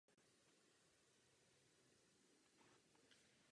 Zkoumal převážně organismy žijící v půdě.